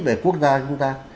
về quốc gia chúng ta